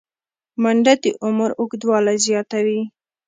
منډه د عمر اوږدوالی زیاتوي